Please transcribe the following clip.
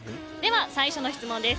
最初の質問です